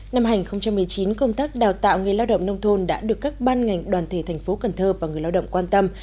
năm hai nghìn một mươi chín công tác đào tạo nghề lao động nông thôn đã được các ban ngành đoàn thể thành phố cần thơ và người lao động quan tâm